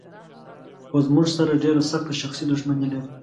خو زموږ سره ډېره سخته شخصي دښمني لري.